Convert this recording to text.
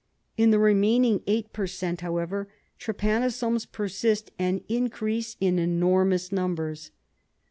In the remaining eight per cent., however, trypanosomes persist and increase in enormous numbers.